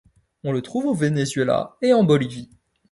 On le trouve au Venezuela et en Bolivie.